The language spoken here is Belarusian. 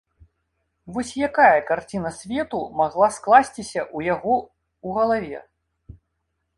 Вось якая карціна свету магла скласціся ў яго ў галаве?